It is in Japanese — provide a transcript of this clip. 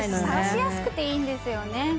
さがしやすくていいんですよね